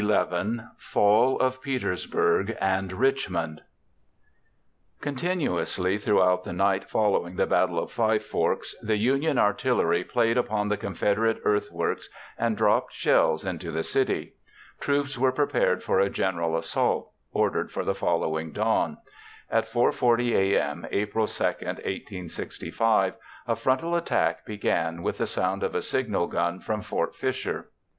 FALL OF PETERSBURG AND RICHMOND Continuously throughout the night following the Battle of Five Forks, the Union artillery played upon the Confederate earthworks and dropped shells into the city. Troops were prepared for a general assault ordered for the following dawn. At 4:40 a.m., April 2, 1865, a frontal attack began with the sound of a signal gun from Fort Fisher.